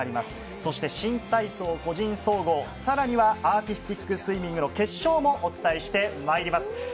そして、新体操個人総合更にはアーティスティックスイミングの決勝もお伝えしてまいります。